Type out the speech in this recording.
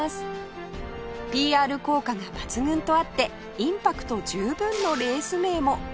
ＰＲ 効果が抜群とあってインパクト十分のレース名も